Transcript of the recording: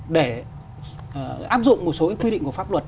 để áp dụng một số quy định của pháp luật